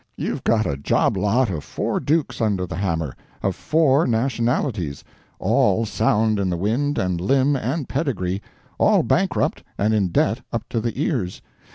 You've got a job lot of four dukes under the hammer; of four nationalities; all sound in the wind and limb and pedigree, all bankrupt and in debt up to the ears.